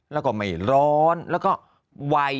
แล้วก็ไม่ร้อนแล้วก็ไว